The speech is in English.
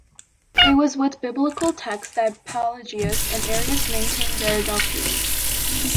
It was with biblical texts that Pelagius and Arius maintained their doctrines.